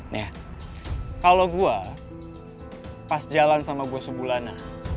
nih ya kalau gue pas jalan sama gue sebulana